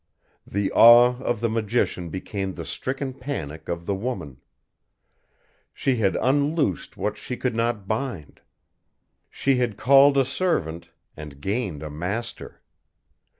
The awe of the magician became the stricken panic of the woman. She had unloosed what she could not bind. She had called a servant, and gained a master.